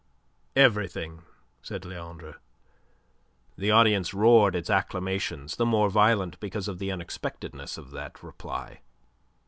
"Everything," said Leandre. The audience roared its acclamations, the more violent because of the unexpectedness of that reply.